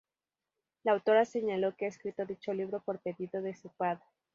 La autora señaló que ha escrito dicho libro por pedido de su padre.